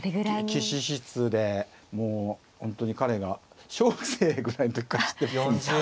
棋士室でもう本当に彼が小学生ぐらいの時から知ってます。